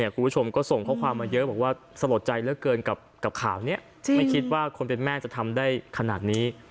คุณผู้ชมก็ส่งข้อความมาเยอะบอกว่าสลดใจเหลือเกินกับข่าวนี้ไม่คิดว่าคนเป็นแม่จะทำได้ขนาดนี้